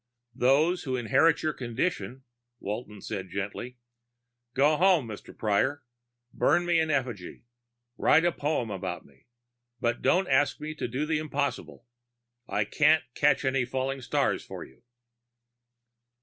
"Those who inherit your condition," Walton said gently. "Go home, Mr. Prior. Burn me in effigy. Write a poem about me. But don't ask me to do the impossible. I can't catch any falling stars for you."